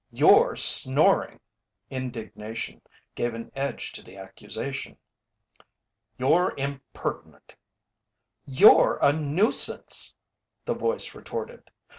"You're snoring." Indignation gave an edge to the accusation. "You're impertinent!" "You're a nuisance!" the voice retorted.